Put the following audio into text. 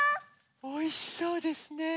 おいしそうですね。